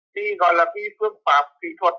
thì gọi là cái phương pháp kỹ thuật